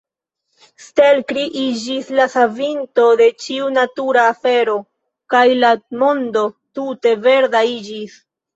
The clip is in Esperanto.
Stelkri iĝis la savinto de ĉiu natura afero, kaj la mondo tute verda iĝis.